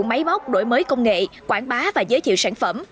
máy móc đổi mới công nghệ quảng bá và giới thiệu sản phẩm